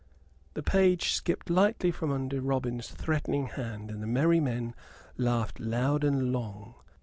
The page skipped lightly from under Robin's threatening hand, and the merry men laughed loud and long.